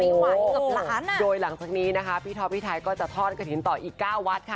โอ้โหโดยหลังจากนี้นะคะพี่ท้อพี่ท้ายก็จะทอดกระถิ่นต่ออีก๙วัดค่ะ